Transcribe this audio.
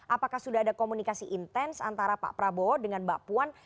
apakah sudah ada komunikasi intens antara pak prabowo dengan mbak puan